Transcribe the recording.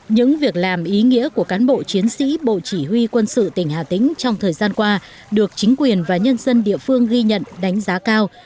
những việc làm ý nghĩa của cán bộ chiến sĩ bộ chỉ huy quân sự tỉnh hà tĩnh trong thời gian qua được chính quyền và nhân dân địa phương ghi nhận đánh giá cao